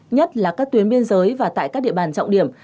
nhất là các tuyến biên giới và tại các địa bàn trọng điểm